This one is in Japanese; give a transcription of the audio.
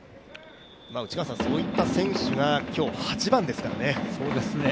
内川さん、そういった選手が今日、８番ですからね。